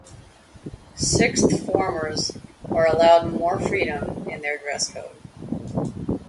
Sixth formers are allowed more freedom in their dress code.